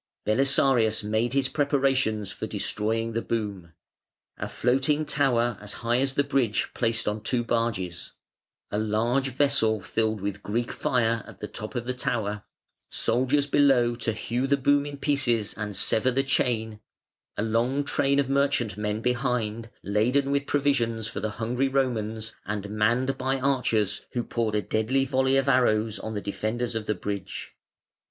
Belisarius made his preparations for destroying the boom: a floating tower as high as the bridge placed on two barges, a large vessel filled with "Greek fire" at the top of the tower, soldiers below to hew the boom in pieces and sever the chain, a long train of merchantmen behind laden with provisions for the hungry Romans, and manned by archers who poured a deadly volley of arrows on the defenders of the bridge.